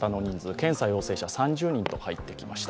検査陽性者３０人と入ってきました。